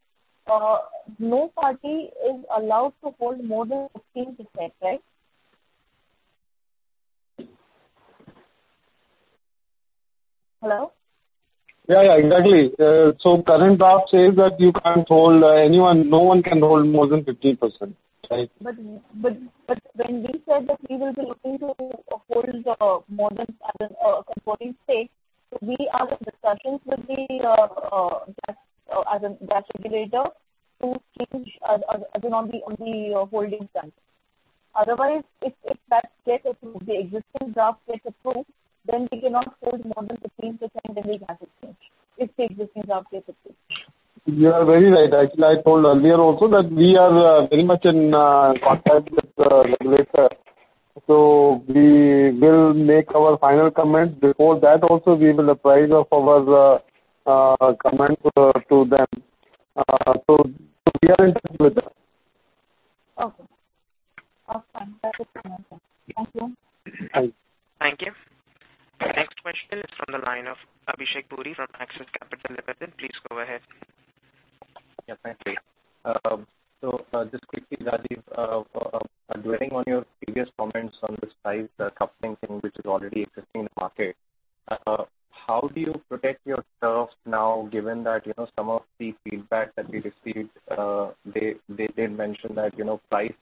no party is allowed to hold more than 15%, right? Hello? Yeah, exactly. Current draft says that you can't hold, anyone, no one can hold more than 15%. Right. When we said that we will be looking to hold more than controlling stake, we are in discussions with the gas regulator to change on the holding front. Otherwise, if that gets approved, the existing draft gets approved, then we cannot hold more than 15% in the gas exchange. You are very right. Actually, I told earlier also that we are very much in contact with the regulator. We will make our final comment. Before that also we will apprise of our comment to them. We are in touch with them. Okay. Awesome. That was my question. Thank you. Thank you. Next question is from the line of Abhishek Puri from Axis Capital Limited. Please go ahead. Thank you. Just quickly, Rajesh, dwelling on your previous comments on this price coupling thing which is already existing in the market, how do you protect yourself now given that some of the feedback that we received, they did mention that price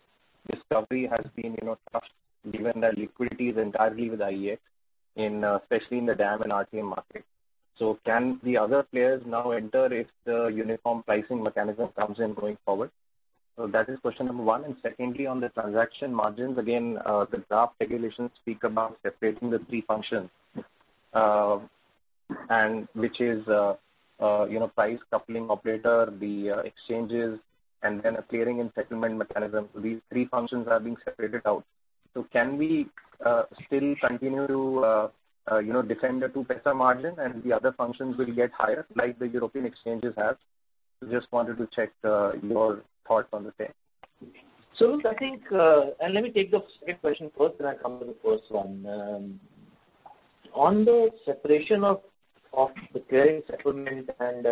discovery has been crushed given that liquidity is entirely with IEX, especially in the DAM and RTM market. Can the other players now enter if the uniform pricing mechanism comes in going forward? Secondly, on the transaction margins, again, the draft regulations speak about separating the three functions, which is price coupling operator, the exchanges, and then a clearing and settlement mechanism. These three functions are being separated out. Can we still continue to defend the 0.02 margin and the other functions will get higher like the European exchanges have? Just wanted to check your thoughts on the same. Look, I think, let me take the second question first, then I come to the first one. On the separation of the clearing settlement and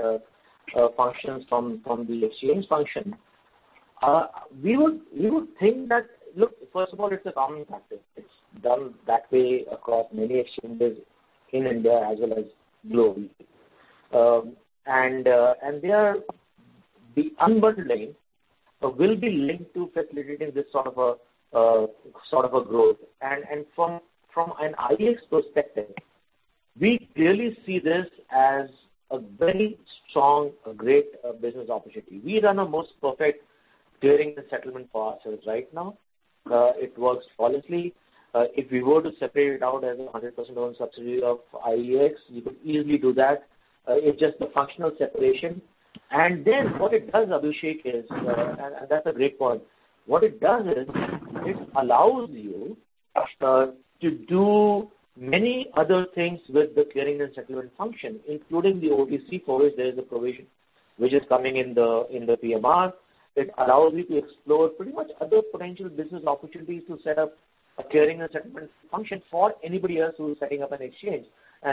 functions from the exchange function, we would think that, look, first of all, it's a common practice. It's done that way across many exchanges in India as well as globally. There the unbundling will be linked to facilitating this sort of a growth. From an IEX perspective, we clearly see this as a very strong, great business opportunity. We run a most perfect clearing and settlement for ourselves right now. It works flawlessly. If we were to separate it out as a 100% owned subsidiary of IEX, we could easily do that. It's just a functional separation. What it does, Abhishek, is, that's a great point. What it does is it allows you to do many other things with the clearing and settlement function, including the OTC for which there is a provision, which is coming in the PMR. It allows you to explore pretty much other potential business opportunities to set up a clearing and settlement function for anybody else who is setting up an exchange.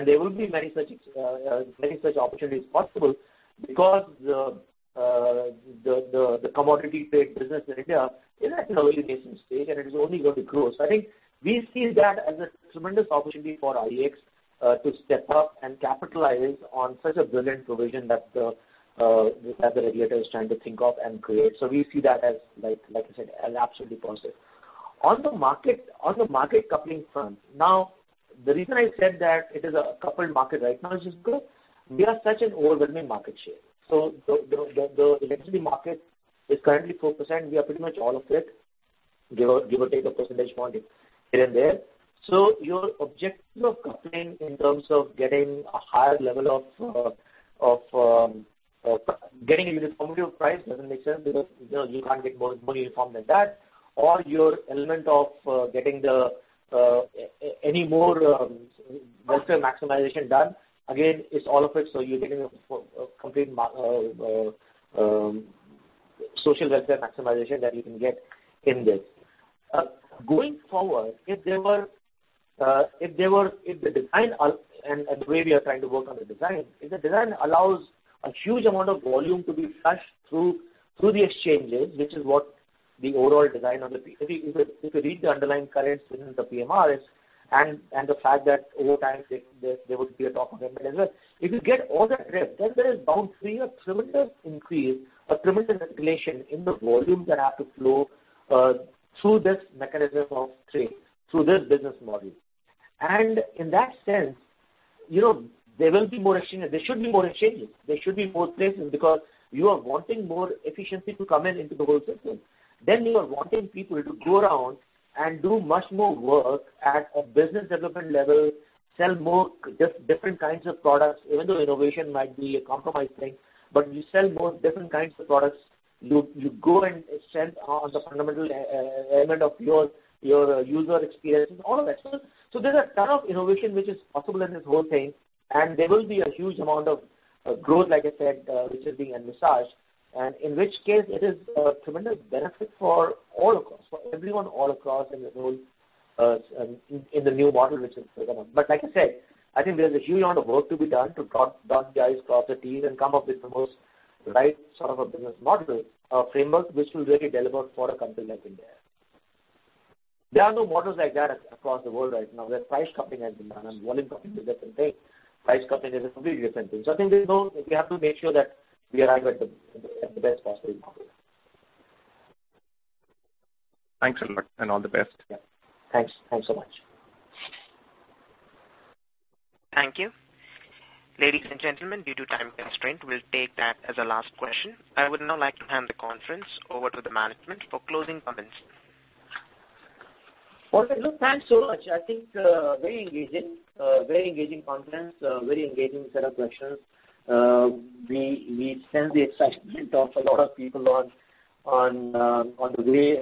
There will be many such opportunities possible because the commodity trade business in India is at an early nascent stage, and it is only going to grow. I think we see that as a tremendous opportunity for IEX to step up and capitalize on such a brilliant provision that the regulator is trying to think of and create. We see that as, like I said, an absolutely positive. On the market coupling front. The reason I said that it is a coupled market right now is just because we have such an overwhelming market share. The electricity market is currently 4%. We have pretty much all of it, give or take a percentage point here and there. Your objective of coupling in terms of getting a uniform price doesn't make sense because you can't get more uniform than that. Your element of getting any more welfare maximization done. Again, it's all of it. You're getting a complete social welfare maximization that you can get in this. Going forward, if the design and the way we are trying to work on the design, if the design allows a huge amount of volume to be flushed through the exchanges, which is what the overall design of the-- If you read the underlying currents within the PMRs and the fact that over time there would be a top-up element as well. If you get all that ramp, there is bound to be a tremendous increase, a tremendous escalation in the volumes that have to flow through this mechanism of trade, through this business model. In that sense, there will be more exchanges. There should be more exchanges. There should be more places because you are wanting more efficiency to come in into the whole system. You are wanting people to go around and do much more work at a business development level, sell different kinds of products, even though innovation might be a compromised thing, but you sell different kinds of products. You go and extend on the fundamental element of your user experiences, all of that stuff. There's a ton of innovation which is possible in this whole thing, and there will be a huge amount of growth, like I said, which is being envisaged, and in which case it is a tremendous benefit for everyone all across in the new model which is coming up. Like I said, I think there's a huge amount of work to be done to dot the i's, cross the t's, and come up with the most right sort of a business model framework which will really deliver for a country like India. There are no models like that across the world right now where price coupling has been done and volume coupling is a different thing. Price coupling is a completely different thing. I think we have to make sure that we arrive at the best possible model. Thanks a lot, and all the best. Yeah. Thanks so much. Thank you. Ladies and gentlemen, due to time constraint, we will take that as a last question. I would now like to hand the conference over to the management for closing comments. Okay. Look, thanks so much. I think very engaging. Very engaging conference, very engaging set of questions. We sense the excitement of a lot of people on three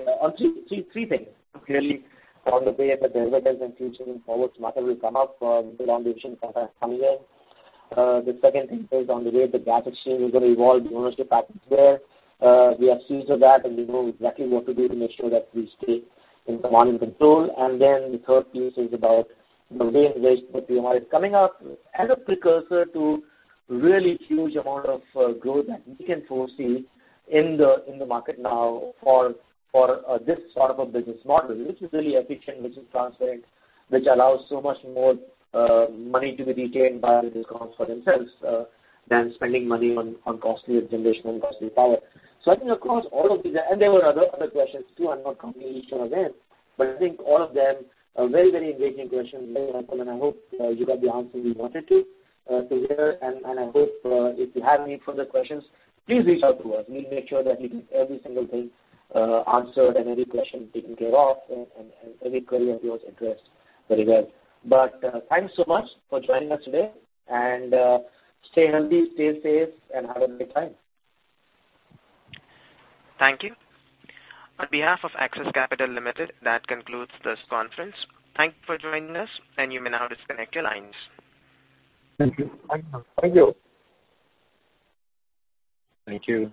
things. Clearly on the way the derivatives and futures and forwards market will come up with the long duration sometime coming year. The second thing is on the way the gas exchange is going to evolve, the ownership patterns there. We are seized of that, and we know exactly what to do to make sure that we stay in command and control. The third piece is about the way in which the PMR is coming up as a precursor to really huge amount of growth that we can foresee in the market now for this sort of a business model, which is really efficient, which is transparent, which allows so much more money to be retained by the DISCOMs for themselves than spending money on costly generation and costly power. I think across all of these, and there were other questions too. I'm not covering each of them, but I think all of them are very engaging questions. Very welcome. I hope you got the answer you wanted to hear. I hope if you have any further questions, please reach out to us. We'll make sure that we get every single thing answered and every question taken care of, and every query of yours addressed very well. Thanks so much for joining us today, and stay healthy, stay safe, and have a good time. Thank you. On behalf of Axis Capital Limited, that concludes this conference. Thank you for joining us, and you may now disconnect your lines. Thank you. Thank you. Thank you.